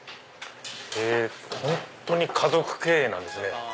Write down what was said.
本当に家族経営なんですね。